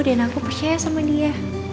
dan aku percaya sama dia